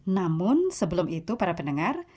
namun sebelum itu para pendengar